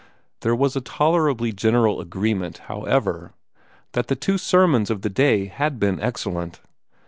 There was a tolerably general agreement, however, that the two sermons of the day had been excellent.